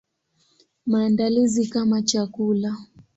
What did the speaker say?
Maandalizi kama chakula.